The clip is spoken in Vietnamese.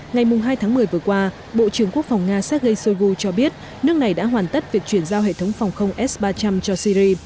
ngày hai tháng một mươi vừa qua bộ trưởng quốc phòng nga sergei shoigu cho biết nước này đã hoàn tất việc chuyển giao hệ thống phòng không s ba trăm linh cho syri